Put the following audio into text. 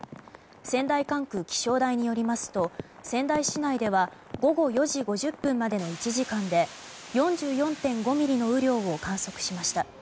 仙台管区気象台によりますと仙台市内では午後４時５０分までの１時間で４４．５ミリの雨量を観測しました。